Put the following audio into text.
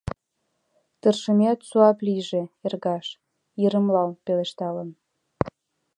— Тыршымет суап лийже, эргаш! — йырымлал пелешталын.